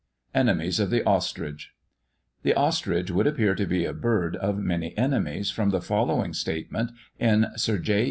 ENEMIES OF THE OSTRICH. The ostrich would appear to be a bird of many enemies, from the following statement in Sir J.